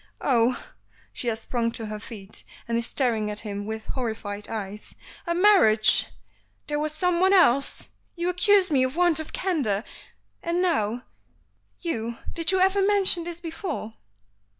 "Oh!" she has sprung to her feet, and is staring at him with horrified eyes. "A marriage! There was someone else! You accuse me of want of candor, and now, you did you ever mention this before?"